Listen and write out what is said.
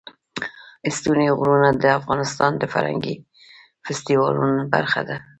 ستوني غرونه د افغانستان د فرهنګي فستیوالونو برخه ده.